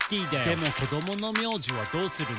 「でも子供の名字はどうするの？」